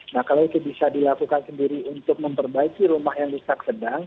nah kalau itu bisa dilakukan sendiri untuk memperbaiki rumah yang rusak sedang